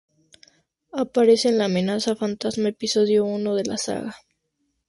Aparece en La amenaza fantasma, "Episodio I" de la saga.